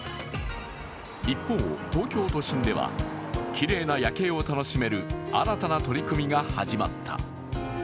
一方、東京都心ではきれいな夜景を楽しめる新たな取り組みが始まった。